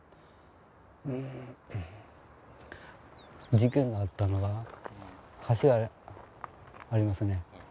事件があったのは橋がありますよね。